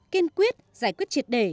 kiên quyết giải quyết triệt đề